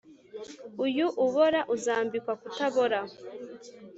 Uyu ubora uzambikwa kutabora